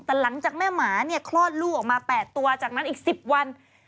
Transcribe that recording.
แต่หลังจากแม่หมาเนี่ยคลอดลูกออกมา๘ตัวจากนั้นอีก๑๐วัน